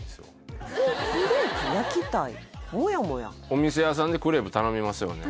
お店屋さんでクレープ頼みますよね？